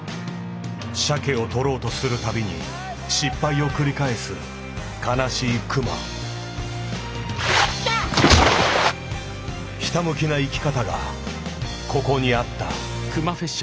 鮭を捕ろうとする度に失敗を繰り返す悲しい熊ひたむきな生き方がここにあった。